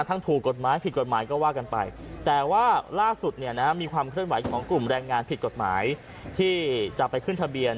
ถูกกฎหมายผิดกฎหมายก็ว่ากันไปแต่ว่าล่าสุดเนี่ยนะมีความเคลื่อนไหวของกลุ่มแรงงานผิดกฎหมายที่จะไปขึ้นทะเบียน